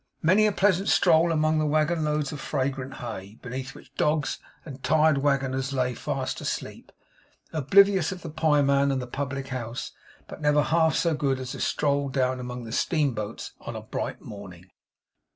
Many a pleasant stroll among the waggon loads of fragrant hay, beneath which dogs and tired waggoners lay fast asleep, oblivious of the pieman and the public house. But never half so good a stroll as down among the steamboats on a bright morning.